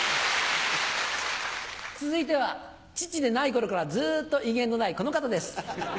続いては父でない頃からずっと威厳のないこの方です。